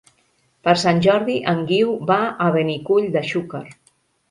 Per Sant Jordi en Guiu va a Benicull de Xúquer.